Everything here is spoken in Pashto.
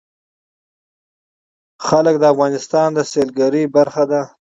وګړي د افغانستان د سیلګرۍ برخه ده.